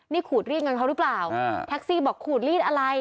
นี่ขูดรีดเงินเขาหรือเปล่าแท็กซี่บอกขูดรีดอะไร